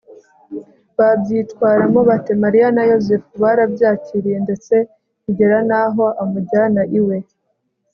babyitwaramo bate ? mariya na yozefu barabyakiriye ndetse bigera n'aho amujyana iwe